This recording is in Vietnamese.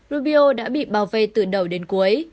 rubio đã bị bảo vệ từ đầu đến cuối